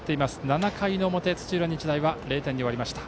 ７回の表、土浦日大は０点に終わりました。